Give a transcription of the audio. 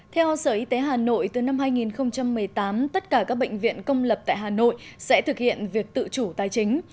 theo sở y tế hà nội từ năm hai nghìn một mươi tám tất cả các bệnh viện công lập tại hà nội sẽ thực hiện việc tự chủ tài chính